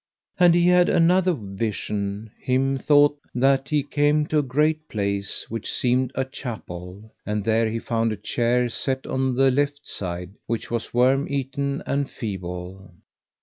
And he had another vision: him thought that he came to a great place which seemed a chapel, and there he found a chair set on the left side, which was worm eaten and feeble.